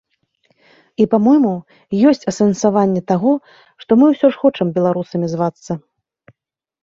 І, па-мойму, ёсць асэнсаванне таго, што мы ўсё ж хочам беларусамі звацца.